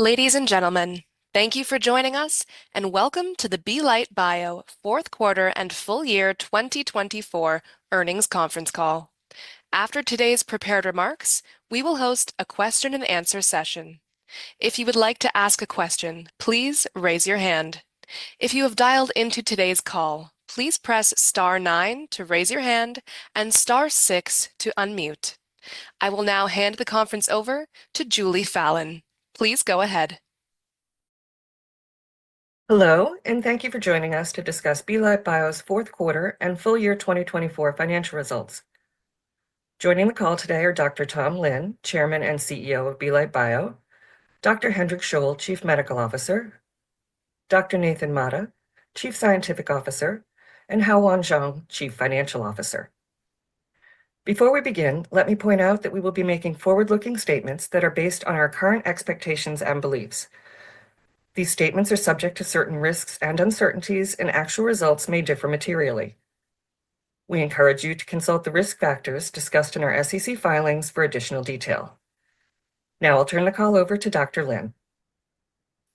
Ladies and gentlemen, thank you for joining us, and welcome to the Belite Bio Q4 and FY 2024 earnings conference call. After today's prepared remarks, we will host a question-and-answer session. If you would like to ask a question, please raise your hand. If you have dialed into today's call, please press star nine to raise your hand and star six to unmute. I will now hand the conference over to Julie Fallon. Please go ahead. Hello, and thank you for joining us to discuss Belite Bio's Q4 and FY 2024 financial results. Joining the call today are Dr. Tom Lin, Chairman and CEO of Belite Bio; Dr. Hendrik Scholl, Chief Medical Officer; Dr. Nathan Mata, Chief Scientific Officer; and Hao-Yuan Chuang, Chief Financial Officer. Before we begin, let me point out that we will be making forward-looking statements that are based on our current expectations and beliefs. These statements are subject to certain risks and uncertainties, and actual results may differ materially. We encourage you to consult the risk factors discussed in our SEC filings for additional detail. Now, I'll turn the call over to Dr. Lin.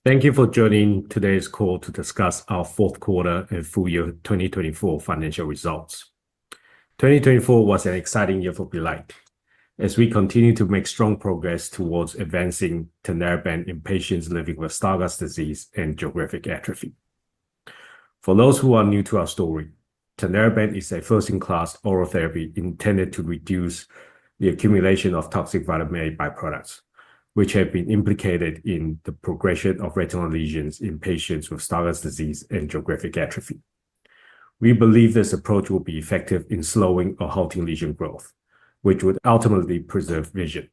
Thank you for joining today's call to discuss our Q4 and FY 2024 financial results. 2024 was an exciting year for Belite Bio, as we continued to make strong progress towards advancing Tinlarebant in patients living with Stargardt disease and geographic atrophy. For those who are new to our story, Tinlarebant is a first-in-class oral therapy intended to reduce the accumulation of toxic vitamin A byproducts, which have been implicated in the progression of retinal lesions in patients with Stargardt disease and geographic atrophy. We believe this approach will be effective in slowing or halting lesion growth, which would ultimately preserve vision.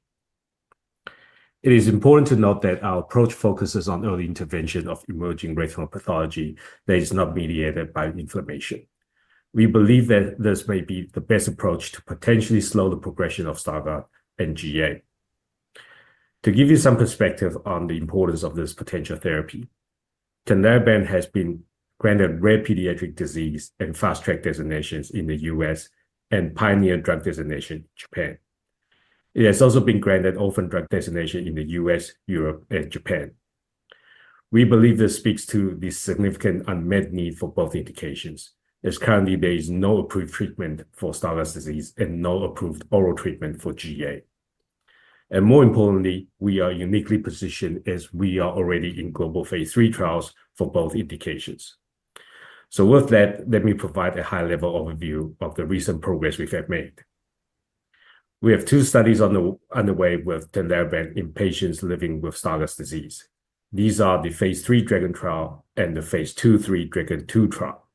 It is important to note that our approach focuses on early intervention of emerging retinal pathology that is not mediated by inflammation. We believe that this may be the best approach to potentially slow the progression of Stargardt and GA. To give you some perspective on the importance of this potential therapy, Tinlarebant has been granted rare pediatric disease and fast-track designations in the U.S. and pioneer drug designation in Japan. It has also been granted orphan drug designation in the U.S., Europe, and Japan. We believe this speaks to the significant unmet need for both indications, as currently there is no approved treatment for Stargardt disease and no approved oral treatment for GA. More importantly, we are uniquely positioned as we are already in global phase III trials for both indications. With that, let me provide a high-level overview of the recent progress we have made. We have two studies underway with Tinlarebant in patients living with Stargardt disease. These are the phase III Dragon trial and the phase II/III Dragon II trial.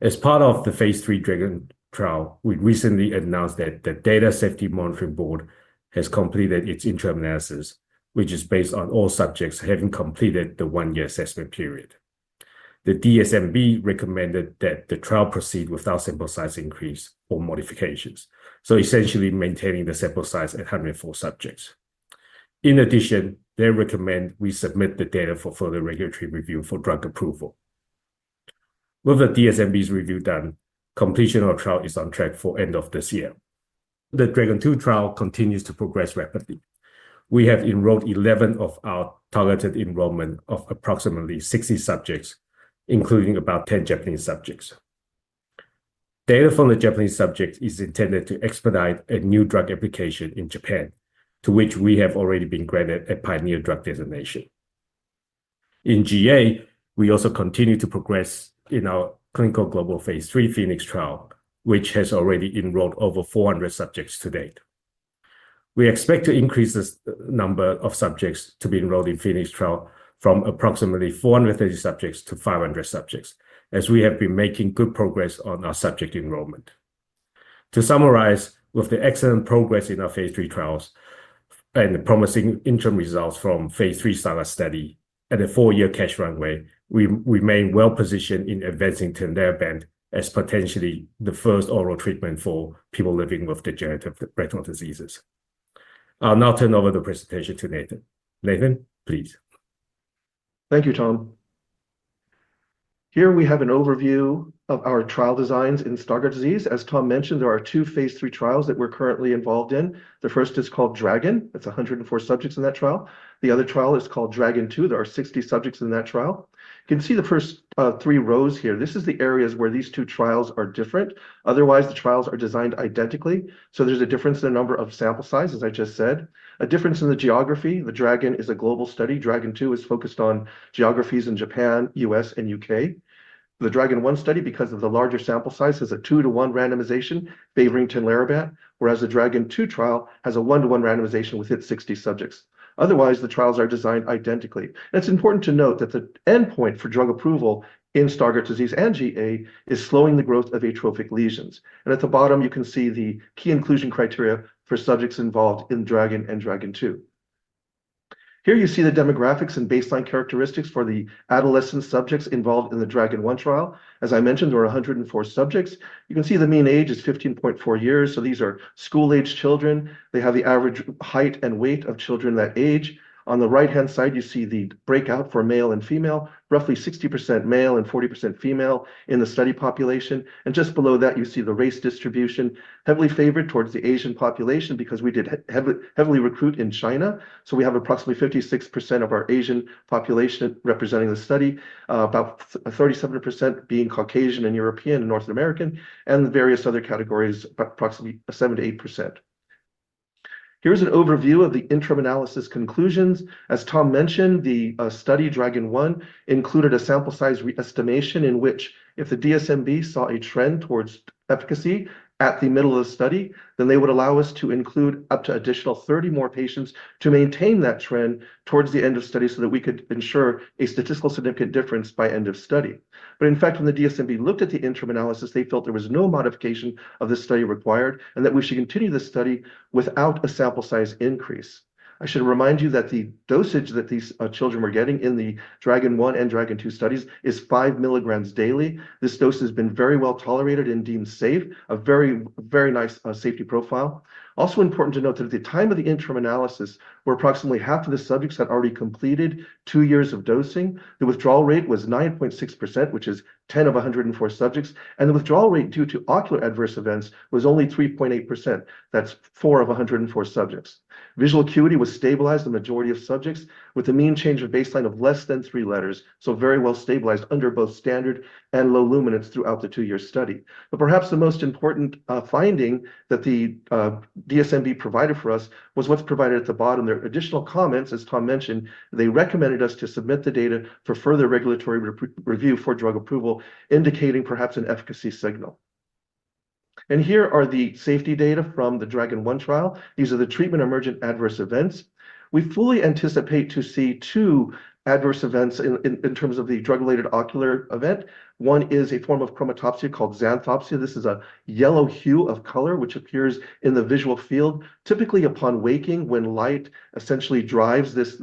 As part of the phase III Dragon trial, we recently announced that the Data Safety Monitoring Board has completed its interim analysis, which is based on all subjects having completed the one-year assessment period. The DSMB recommended that the trial proceed without sample size increase or modifications, so essentially maintaining the sample size at 104 subjects. In addition, they recommend we submit the data for further regulatory review for drug approval. With the DSMB's review done, completion of the trial is on track for end of this year. The Dragon II trial continues to progress rapidly. We have enrolled 11 of our targeted enrollment of approximately 60 subjects, including about 10 Japanese subjects. Data from the Japanese subjects is intended to expedite a new drug application in Japan, to which we have already been granted a pioneer drug designation. In GA, we also continue to progress in our clinical global phase III Phoenix trial, which has already enrolled over 400 subjects to date. We expect to increase the number of subjects to be enrolled in the Phoenix trial from approximately 430 subjects to 500 subjects, as we have been making good progress on our subject enrollment. To summarize, with the excellent progress in our phase III trials and the promising interim results from phase III Stargardt study and the four-year cash runway, we remain well-positioned in advancing Tinlarebant as potentially the first oral treatment for people living with degenerative retinal diseases. I'll now turn over the presentation to Nathan. Nathan, please. Thank you, Tom. Here we have an overview of our trial designs in Stargardt disease. As Tom mentioned, there are two phase III trials that we're currently involved in. The first is called Dragon. That's 104 subjects in that trial. The other trial is called Dragon II. There are 60 subjects in that trial. You can see the first three rows here. This is the areas where these two trials are different. Otherwise, the trials are designed identically. There is a difference in the number of sample sizes, as I just said. A difference in the geography. The Dragon is a global study. Dragon II is focused on geographies in Japan, U.S., and U.K. The Dragon study, because of the larger sample size, has a 2:1 randomization favoring Tinlarebant, whereas the Dragon II trial has a 1:1 randomization within 60 subjects. Otherwise, the trials are designed identically. It's important to note that the endpoint for drug approval in Stargardt disease and GA is slowing the growth of atrophic lesions. At the bottom, you can see the key inclusion criteria for subjects involved in Dragon and Dragon II. Here you see the demographics and baseline characteristics for the adolescent subjects involved in the Dragon I trial. As I mentioned, there are 104 subjects. You can see the mean age is 15.4 years. These are school-aged children. They have the average height and weight of children that age. On the right-hand side, you see the breakout for male and female, roughly 60% male and 40% female in the study population. Just below that, you see the race distribution heavily favored towards the Asian population because we did heavily recruit in China. We have approximately 56% of our Asian population representing the study, about 37% being Caucasian and European and North American, and the various other categories, approximately 7%-8%. Here is an overview of the interim analysis conclusions. As Tom mentioned, the study Dragon I included a sample size re-estimation in which, if the DSMB saw a trend towards efficacy at the middle of the study, then they would allow us to include up to an additional 30 more patients to maintain that trend towards the end of the study so that we could ensure a statistical significant difference by end of study. In fact, when the DSMB looked at the interim analysis, they felt there was no modification of the study required and that we should continue the study without a sample size increase. I should remind you that the dosage that these children were getting in the Dragon I and Dragon II studies is five mg daily. This dose has been very well tolerated and deemed safe, a very, very nice safety profile. Also important to note that at the time of the interim analysis, where approximately half of the subjects had already completed two years of dosing, the withdrawal rate was 9.6%, which is 10 of 104 subjects. The withdrawal rate due to ocular adverse events was only 3.8%. That's four of 104 subjects. Visual acuity was stabilized in the majority of subjects with a mean change of baseline of less than three letters, so very well stabilized under both standard and low luminance throughout the two-year study. Perhaps the most important finding that the DSMB provided for us was what's provided at the bottom. Their additional comments, as Tom mentioned, they recommended us to submit the data for further regulatory review for drug approval, indicating perhaps an efficacy signal. Here are the safety data from the Dragon I trial. These are the treatment emergent adverse events. We fully anticipate to see two adverse events in terms of the drug-related ocular event. One is a form of Chromatopsia called Xanthopsia. This is a yellow hue of color which appears in the visual field, typically upon waking when light essentially drives this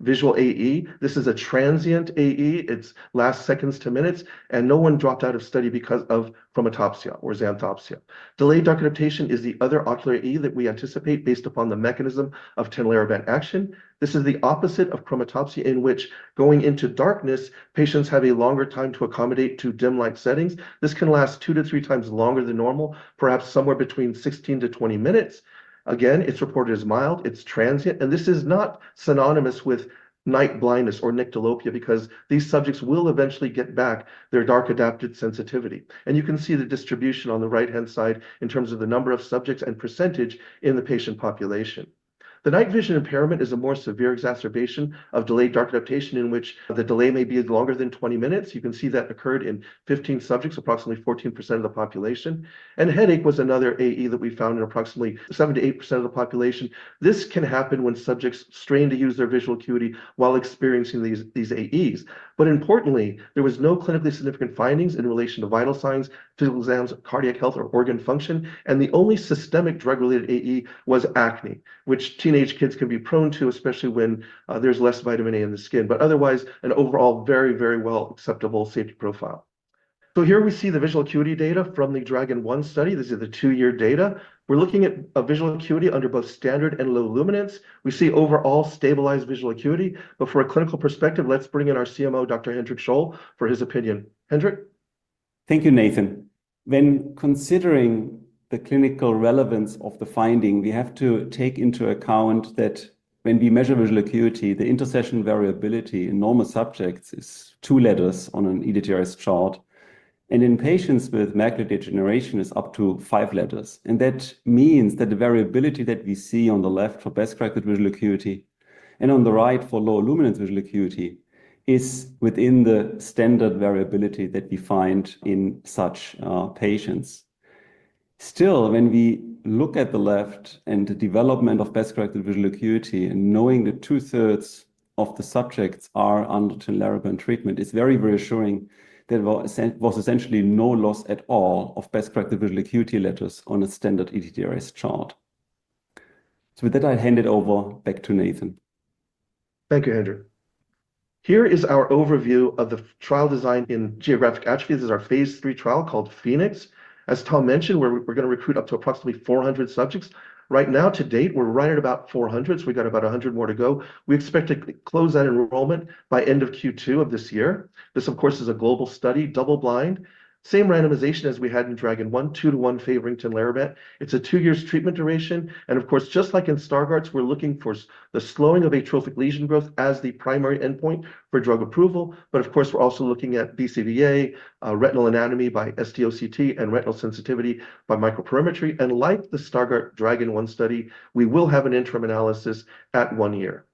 visual AE. This is a transient AE. It lasts seconds to minutes, and no one dropped out of study because of Chromatopsia or Xanthopsia. Delayed dark adaptation is the other ocular AE that we anticipate based upon the mechanism of Tinlarebant action. This is the opposite of Chromatopsia, in which going into darkness, patients have a longer time to accommodate to dim light settings. This can last two to three times longer than normal, perhaps somewhere between 16-20 minutes. Again, it's reported as mild. It's transient. This is not synonymous with night blindness or nyctalopia because these subjects will eventually get back their dark adapted sensitivity. You can see the distribution on the right-hand side in terms of the number of subjects and percentage in the patient population. The night vision impairment is a more severe exacerbation of delayed dark adaptation, in which the delay may be longer than 20 minutes. You can see that occurred in 15 subjects, approximately 14% of the population. Headache was another AE that we found in approximately 7%-8% of the population. This can happen when subjects strain to use their visual acuity while experiencing these AEs. Importantly, there were no clinically significant findings in relation to vital signs, physical exams, cardiac health, or organ function. The only systemic drug-related AE was acne, which teenage kids can be prone to, especially when there's less vitamin A in the skin. Otherwise, an overall very, very well acceptable safety profile. Here we see the visual acuity data from the Dragon I study. This is the two-year data. We're looking at visual acuity under both standard and low luminance. We see overall stabilized visual acuity. For a clinical perspective, let's bring in our CMO, Dr. Hendrik Scholl, for his opinion. Hendrik. Thank you, Nathan. When considering the clinical relevance of the finding, we have to take into account that when we measure visual acuity, the intersession variability in normal subjects is two letters on an ETDRS chart. In patients with macular degeneration, it's up to five letters. That means that the variability that we see on the left for best-corrected visual acuity and on the right for low-luminance visual acuity is within the standard variability that we find in such patients. Still, when we look at the left and the development of best-corrected visual acuity, knowing that two-thirds of the subjects are under Tinlarebant treatment is very reassuring that there was essentially no loss at all of best-corrected visual acuity letters on a standard ETDRS chart. With that, I hand it over back to Nathan. Thank you, Hendrik. Here is our overview of the trial design in geographic atrophy. This is our phase III trial called Phoenix. As Tom mentioned, we're going to recruit up to approximately 400 subjects. Right now, to date, we're right at about 400, so we've got about 100 more to go. We expect to close that enrollment by end of Q2 of this year. This, of course, is a global study, double-blind, same randomization as we had in Dragon I, 2:1 favoring Tinlarebant. It's a two-year treatment duration. Of course, just like in Stargardt, we're looking for the slowing of atrophic lesion growth as the primary endpoint for drug approval. Of course, we're also looking at BCVA, retinal anatomy by SD-OCT, and retinal sensitivity by microperimetry. Like the Stargardt Dragon I study, we will have an interim analysis at one year.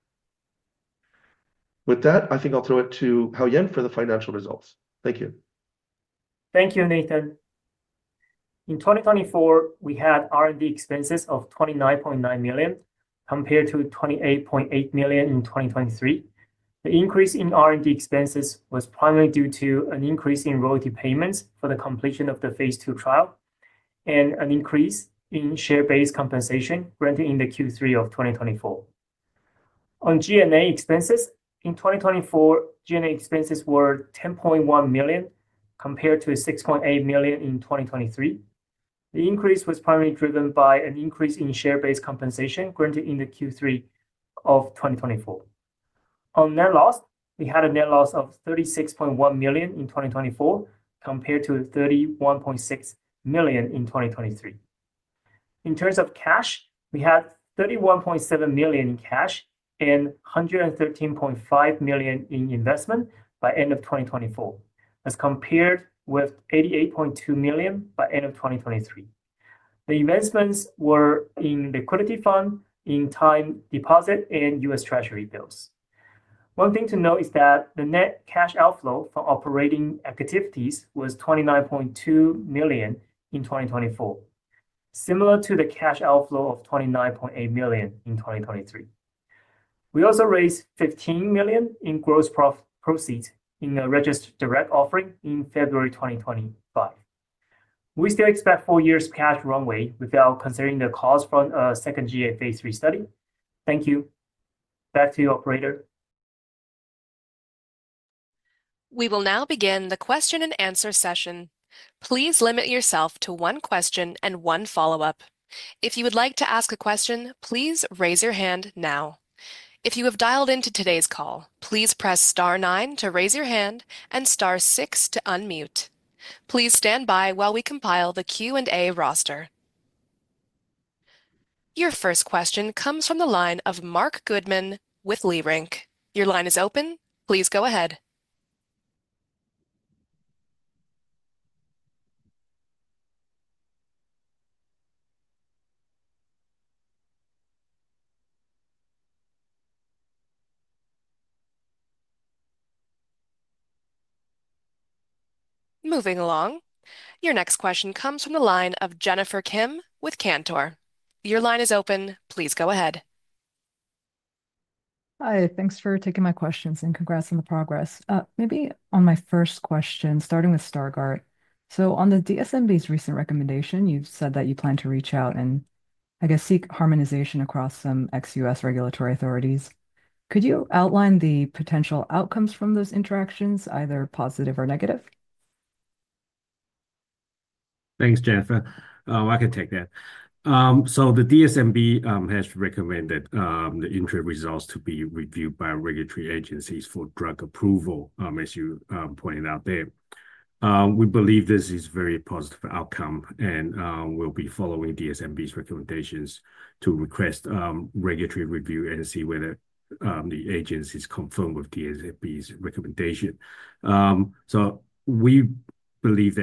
With that, I think I'll throw it to Hao-Yuan for the financial results. Thank you. Thank you, Nathan. In 2024, we had R&D expenses of $29.9 million compared to $28.8 million in 2023. The increase in R&D expenses was primarily due to an increase in royalty payments for the completion of the phase II trial and an increase in share-based compensation granted in the Q3 of 2024. On G&A expenses, in 2024, G&A expenses were $10.1 million compared to $6.8 million in 2023. The increase was primarily driven by an increase in share-based compensation granted in the Q3 of 2024. On net loss, we had a net loss of $36.1 million in 2024 compared to $31.6 million in 2023. In terms of cash, we had $31.7 million in cash and $113.5 million in investment by end of 2024, as compared with $88.2 million by end of 2023. The investments were in liquidity fund, in time deposit, and U.S. Treasury bills. One thing to note is that the net cash outflow for operating activities was $29.2 million in 2024, similar to the cash outflow of $29.8 million in 2023. We also raised $15 million in gross profit proceeds in a registered direct offering in February 2025. We still expect four years' cash runway without considering the cost from a second GA phase III study. Thank you. Back to you, operator. We will now begin the question and answer session. Please limit yourself to one question and one follow-up. If you would like to ask a question, please raise your hand now. If you have dialed into today's call, please press star 9 to raise your hand and star 6 to unmute. Please stand by while we compile the Q&A roster. Your first question comes from the line of Mark Goodman with Leerink. Your line is open. Please go ahead. Moving along, your next question comes from the line of Jennifer Kim with Cantor. Your line is open. Please go ahead. Hi. Thanks for taking my questions and congrats on the progress. Maybe on my first question, starting with Stargardt. On the DSMB's recent recommendation, you've said that you plan to reach out and, I guess, seek harmonization across some ex-U.S. regulatory authorities. Could you outline the potential outcomes from those interactions, either positive or negative? Thanks, Jennifer. I can take that. The DSMB has recommended the interim results to be reviewed by regulatory agencies for drug approval, as you pointed out there. We believe this is a very positive outcome, and we'll be following DSMB's recommendations to request regulatory review and see whether the agency is conformed with DSMB's recommendation. We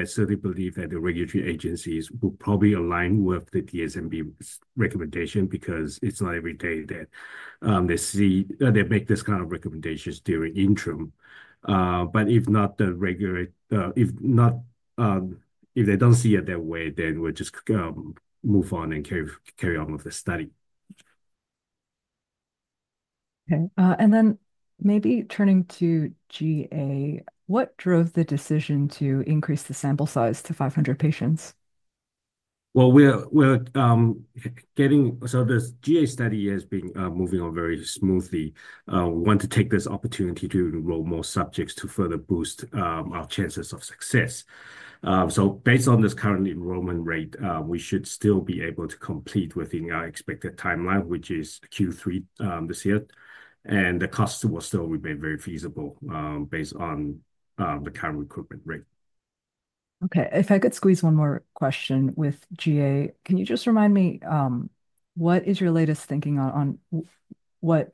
certainly believe that the regulatory agencies will probably align with the DSMB's recommendation because it's not every day that they make this kind of recommendations during interim. If they don't see it that way, then we'll just move on and carry on with the study. Okay. Maybe turning to GA, what drove the decision to increase the sample size to 500 patients? We're getting so this GA study has been moving on very smoothly. We want to take this opportunity to enroll more subjects to further boost our chances of success. Based on this current enrollment rate, we should still be able to complete within our expected timeline, which is Q3 this year. The cost will still remain very feasible based on the current recruitment rate. Okay. If I could squeeze one more question with GA, can you just remind me what is your latest thinking on what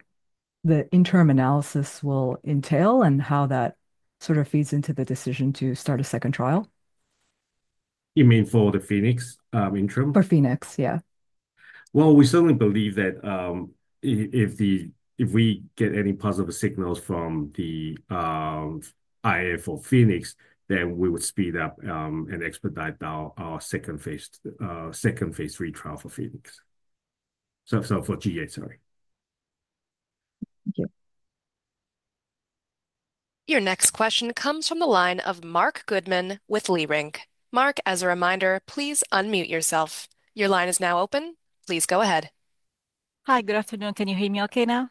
the interim analysis will entail and how that sort of feeds into the decision to start a second trial? You mean for the Phoenix interim? For Phoenix, yeah. We certainly believe that if we get any positive signals from the IF of Phoenix, then we would speed up and expedite our second phase III trial for Phoenix. For GA, sorry. Thank you. Your next question comes from the line of Marc Goodman with Leerink. Mark, as a reminder, please unmute yourself. Your line is now open. Please go ahead. Hi, good afternoon. Can you hear me okay now?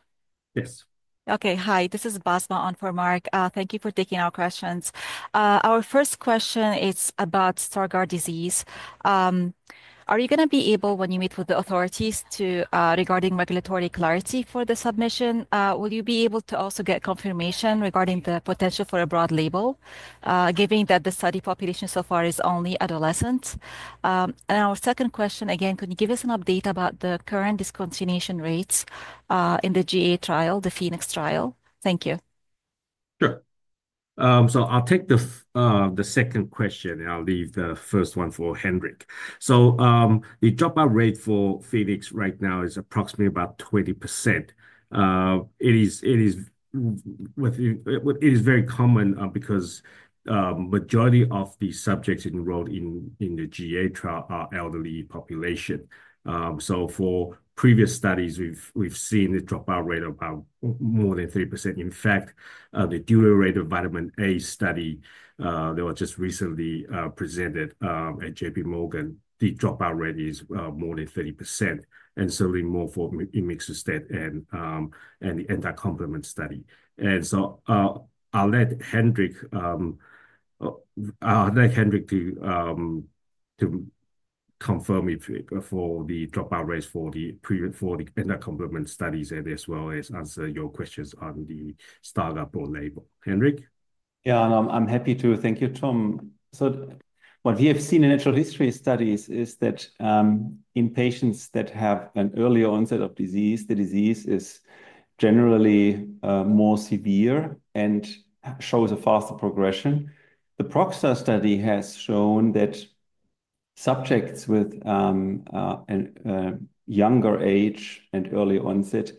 Yes. Okay. Hi, this is Basma on for Mark. Thank you for taking our questions. Our first question is about Stargardt disease. Are you going to be able, when you meet with the authorities, regarding regulatory clarity for the submission, will you be able to also get confirmation regarding the potential for a broad label, given that the study population so far is only adolescents? Our second question, again, could you give us an update about the current discontinuation rates in the GA trial, the Phoenix trial? Thank you. Sure. I'll take the second question, and I'll leave the first one for Hendrik. The dropout rate for Phoenix right now is approximately about 20%. It is very common because the majority of the subjects enrolled in the GA trial are elderly population. For previous studies, we've seen the dropout rate of more than 30%. In fact, the deuterated vitamin A study that was just recently presented at JPMorgan, the dropout rate is more than 30%, and certainly more for Emixustat and the anti-complement study. I'll let Hendrik confirm for the dropout rates for the anti-complement studies as well as answer your questions on the Stargardt broad label. Hendrik? Yeah, I'm happy to. Thank you, Tom. What we have seen in natural history studies is that in patients that have an earlier onset of disease, the disease is generally more severe and shows a faster progression. The PROXA study has shown that subjects with a younger age and early onset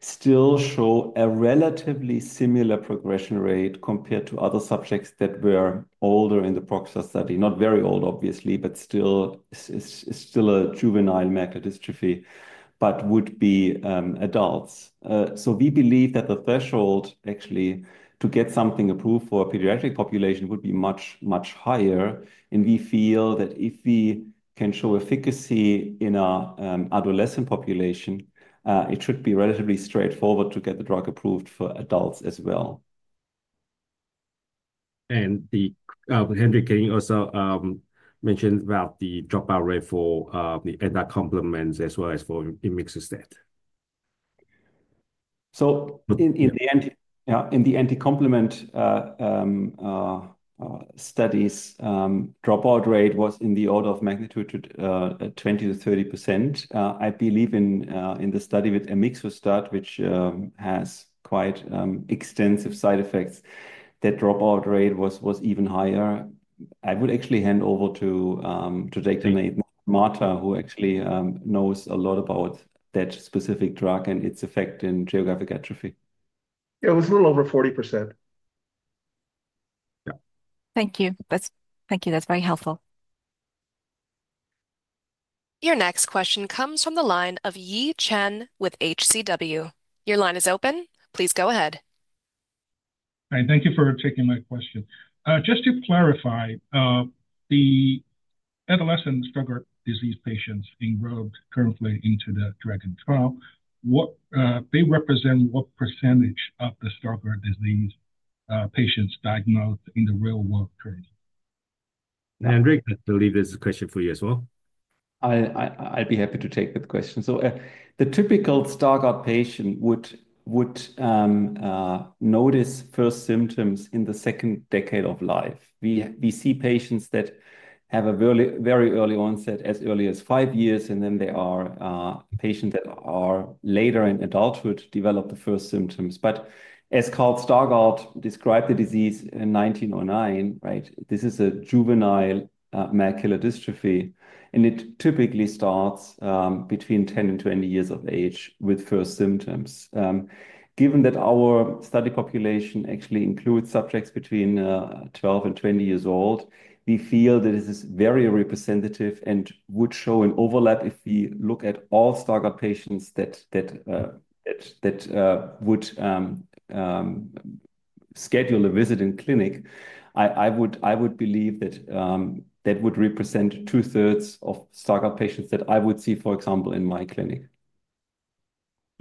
still show a relatively similar progression rate compared to other subjects that were older in the PROXA study, not very old, obviously, but still a juvenile macular dystrophy, but would be adults. We believe that the threshold actually to get something approved for a pediatric population would be much, much higher. We feel that if we can show efficacy in our adolescent population, it should be relatively straightforward to get the drug approved for adults as well. Hendrik, can you also mention about the dropout rate for the anti-complements as well as for mixed-state? In the anti-complement studies, the dropout rate was in the order of magnitude 20%-30%. I believe in the study with a mixed-state, which has quite extensive side effects, that dropout rate was even higher. I would actually hand over to Dr. Nathan Mata, who actually knows a lot about that specific drug and its effect in geographic atrophy. Yeah, it was a little over 40%. Thank you. Thank you. That's very helpful. Your next question comes from the line of Yi Chen with H.C. Wainwright. Your line is open. Please go ahead. All right. Thank you for taking my question. Just to clarify, the adolescent Stargardt disease patients enrolled currently into the Dragon trial, they represent what percentage of the Stargardt disease patients diagnosed in the real-world training? Hendrik, I believe there's a question for you as well. I'd be happy to take the question. The typical Stargardt patient would notice first symptoms in the second decade of life. We see patients that have a very early onset as early as five years, and then there are patients that are later in adulthood develop the first symptoms. As Carl Stargardt described the disease in 1909, right, this is a juvenile macular dystrophy, and it typically starts between 10 and 20 years of age with first symptoms. Given that our study population actually includes subjects between 12 and 20 years old, we feel that this is very representative and would show an overlap if we look at all Stargardt patients that would schedule a visit in clinic. I would believe that that would represent two-thirds of Stargardt patients that I would see, for example, in my clinic.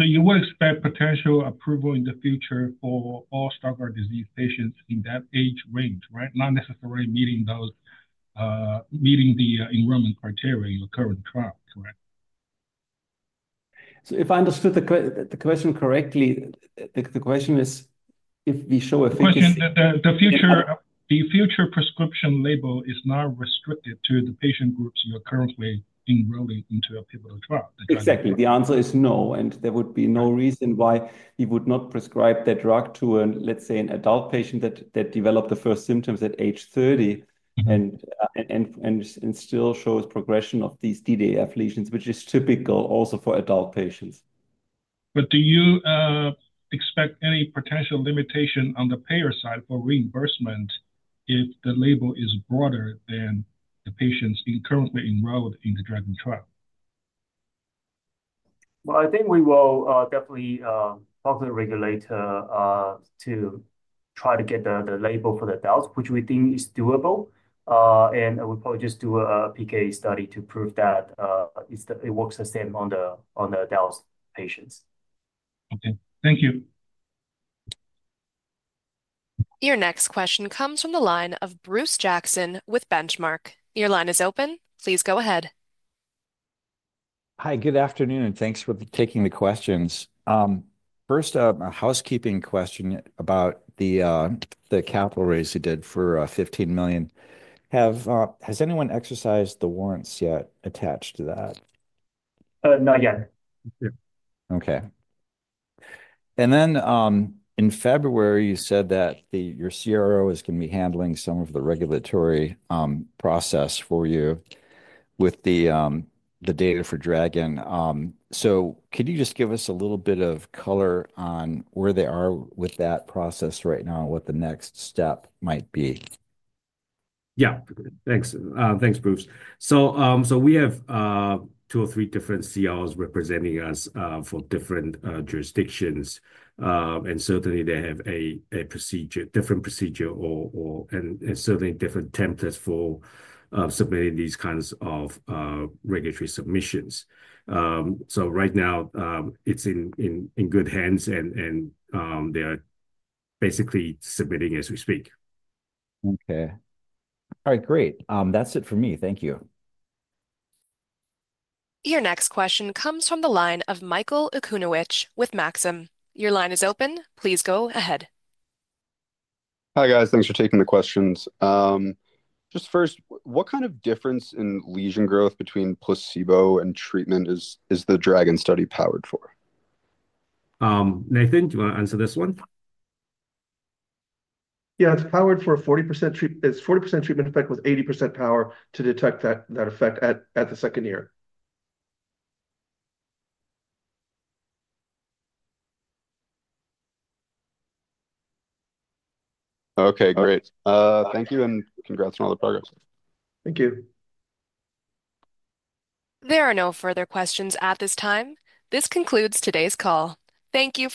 You would expect potential approval in the future for all Stargardt disease patients in that age range, right? Not necessarily meeting the enrollment criteria in your current trial, correct? If I understood the question correctly, the question is if we show efficacy. The future prescription label is not restricted to the patient groups you're currently enrolling into a pivotal trial. Exactly. The answer is no, and there would be no reason why we would not prescribe that drug to, let's say, an adult patient that developed the first symptoms at age 30 and still shows progression of these DDAF lesions, which is typical also for adult patients. Do you expect any potential limitation on the payer side for reimbursement if the label is broader than the patients currently enrolled in the Dragon trial? I think we will definitely talk to the regulator to try to get the label for the adults, which we think is doable. We'll probably just do a PK study to prove that it works the same on the adult patients. Okay. Thank you. Your next question comes from the line of Bruce Jackson with Benchmark. Your line is open. Please go ahead. Hi, good afternoon, and thanks for taking the questions. First, a housekeeping question about the capital raise you did for $15 million. Has anyone exercised the warrants yet attached to that? Not yet. Okay. In February, you said that your CRO is going to be handling some of the regulatory process for you with the data for Dragon. Could you just give us a little bit of color on where they are with that process right now and what the next step might be? Yeah. Thanks. Thanks, Bruce. We have two or three different CROs representing us for different jurisdictions. Certainly, they have a different procedure and certainly different templates for submitting these kinds of regulatory submissions. Right now, it's in good hands, and they are basically submitting as we speak. Okay. All right. Great. That's it for me. Thank you. Your next question comes from the line of Michael Okunewitch with Maxim. Your line is open. Please go ahead. Hi, guys. Thanks for taking the questions. Just first, what kind of difference in lesion growth between placebo and treatment is the Dragon study powered for? Nathan, do you want to answer this one? Yeah. It's powered for 40%. It's 40% treatment effect with 80% power to detect that effect at the second year. Okay. Great. Thank you, and congrats on all the progress. Thank you. There are no further questions at this time. This concludes today's call. Thank you.